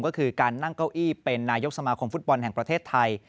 ก็คือการนั่งเก้าอี้เป็นนายกสมาคมฟุตบอลแห่งประเทศไทย